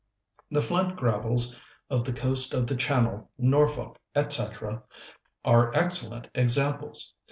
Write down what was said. The flint gravels of the coast of the Channel, Norfolk, &c., are excellent examples.